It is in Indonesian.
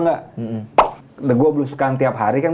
gue suka gue suka tiap hari kan